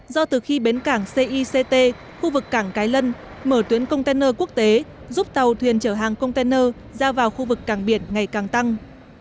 do từ khi bến cảng cict khu vực cảng cái lân mở tuyến container quốc tế giúp tàu thuyền chở hàng container ra vào khu vực cảng biển ngày càng tăng